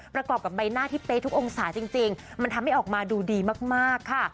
ประกอบกับใบหน้าที่เป๊ะทุกองศาจริงมันทำให้ออกมาดูดีมากค่ะ